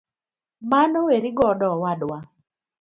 Mano weri godo owadwa.